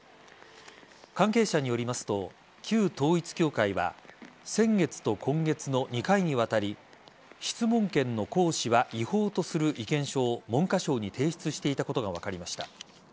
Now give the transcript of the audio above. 関係者によりますと旧統一教会は先月と今月の２回にわたり質問権の行使は違法とする意見書を文科省に提出していたことが分かりました。